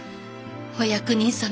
お役人様。